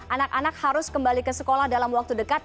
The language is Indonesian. anak anak harus kembali ke sekolah dalam waktu dekat